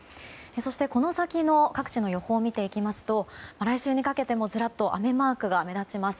この先の各地の予報を見ていきますと来週にかけてもずらっと雨マークが目立ちます。